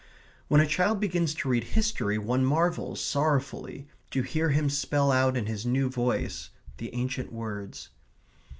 When a child begins to read history one marvels, sorrowfully, to hear him spell out in his new voice the ancient words.